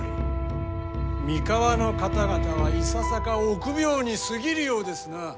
三河の方々はいささか臆病に過ぎるようですなあ。